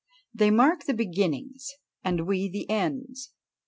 They mark the beginnings, and we the ends.